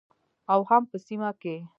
او هم په سیمه کې